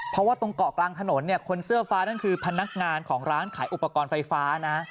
เพราะว่าตรงเกาะกลางถนนเนี่ยคนเสื้อฟ้านั่นคือพนักงานของร้านขายอุปกรณ์ไฟฟ้านะ